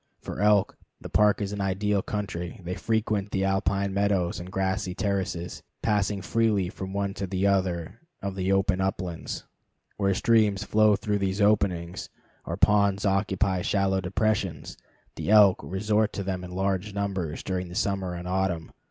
For elk, the park is an ideal country. They frequent the alpine meadows and grassy terraces, passing freely from one to the other of the open uplands. Where streams flow through these openings, or ponds occupy shallow depressions, the elk resort to them in large numbers during summer and autumn.